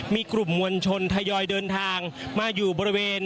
มีกลุ่มมวลชนทยอยเดินทางมาอยู่บริเวณ